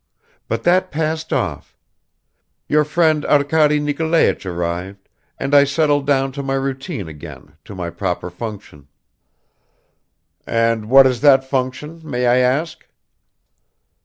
But that passed off; your friend Arkady Nikolaich arrived, and I settled down to my routine again, to my proper function." "And what is that function, may I ask?"